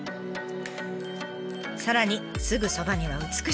さらにすぐそばには美しい海。